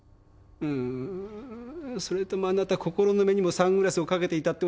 んーそれともあなた心の目にもサングラスをかけていたっておっしゃるんですか？